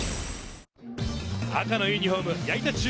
赤のユニホーム・矢板